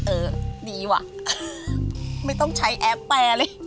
เออดีว่ะไม่ต้องใช้แอปแปรเลย